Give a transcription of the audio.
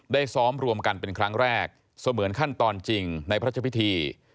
ซ้อมรวมกันเป็นครั้งแรกเสมือนขั้นตอนจริงในพระเจ้าพิธี